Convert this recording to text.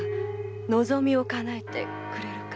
望みを叶えてくれるか？